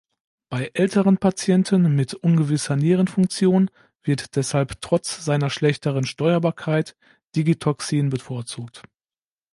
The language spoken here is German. Bei älteren Patienten mit ungewisser Nierenfunktion wird deshalb trotz seiner schlechteren Steuerbarkeit Digitoxin bevorzugt.